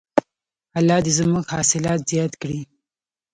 الله دې زموږ حاصلات زیات کړي.